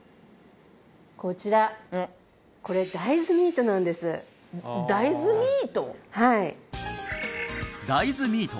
こちらこれ大豆ミートなんです大豆ミート？